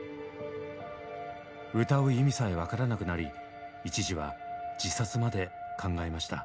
歌う意味さえ分からなくなり一時は自殺まで考えました。